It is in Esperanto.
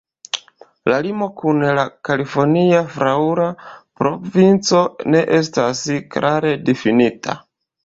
La limo kun la Kalifornia Flaŭra Provinco ne estas klare difinita.